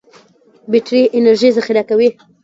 بټري انرژي ذخیره کوي.